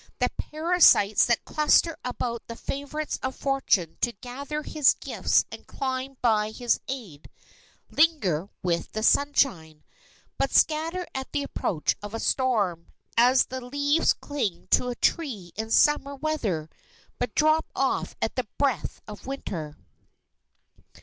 The parasites that cluster about the favorites of fortune to gather his gifts and climb by his aid, linger with the sunshine, but scatter at the approach of a storm, as the leaves cling to a tree in Summer weather, but drop off at the breath of Winter.